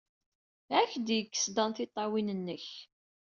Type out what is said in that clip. Ad ak-d-yekkes Dan tiṭṭawin-nnek!